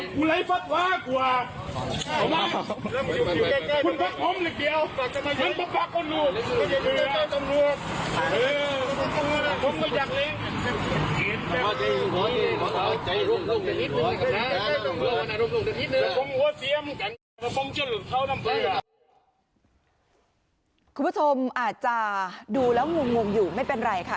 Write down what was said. คุณผู้ชมอาจจะดูแล้วงงอยู่ไม่เป็นไรค่ะ